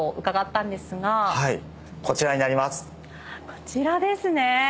こちらですね。